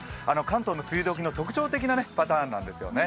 関東の梅雨時の特徴的なパターンなんですよね。